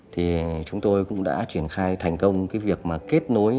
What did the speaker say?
thì chúng tôi cũng đã triển khai thành công cái việc mà kết nối